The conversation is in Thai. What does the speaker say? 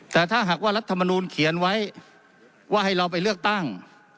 แต่ถ้าหากว่ารัฐมนูลเขียนไว้ว่าให้เราไปเลือกตั้ง